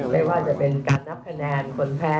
ไม่ว่าจะเป็นการนับคะแนนคนแพ้